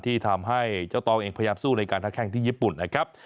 ที่ทำให้เจ้าตองเองพยายามสู้ในการทักแข้งที่ญี่ปุ่นนะครับ